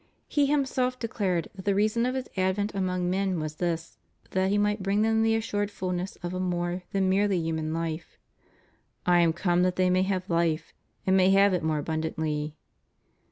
He Himself declared that the reason of His advent among men was this, that He might bring them the assured fulness of a more than merely human fife. / am come that they may have life, and may have it more abundantly.'